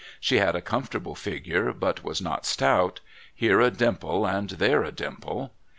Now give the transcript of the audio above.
She had a comfortable figure, but was not stout, here a dimple and there a dimple.